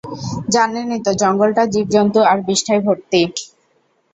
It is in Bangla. জানেনই তো, জঙ্গলটা জীব-জন্তু আর বিষ্ঠায় ভর্তি।